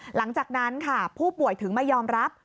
หลังจากนั้นค่ะผู้ป่วยถึงไม่ยอมรับ